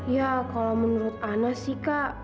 ya kalau menurut ana sih kak